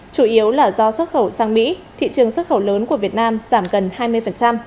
chủ yếu là do xuất khẩu sang mỹ thị trường xuất khẩu lớn của việt nam giảm gần hai mươi